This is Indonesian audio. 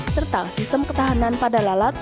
serta sistem ketahanan pada lalat